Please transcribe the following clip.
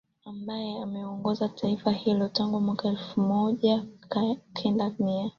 ambae ameongoza taifa hilo tangu mwaka elfu moja kenda mia